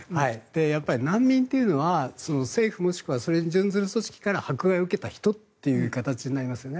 難民というのは、政府もしくはそれに準ずる組織から迫害を受けた人という形になりますね。